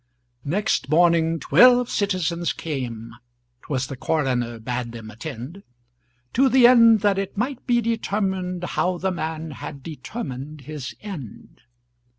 Next morning twelve citizens came ('Twas the coroner bade them attend), To the end that it might be determined How the man had determined his end!